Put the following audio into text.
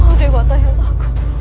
oh dewata yang aku